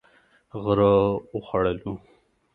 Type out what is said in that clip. غره و خوړلو.